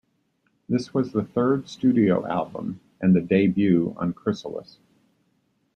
This was the third studio album and the debut on Chrysalis.